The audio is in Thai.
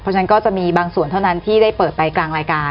เพราะฉะนั้นก็จะมีบางส่วนที่ได้พบไปกลางรายการ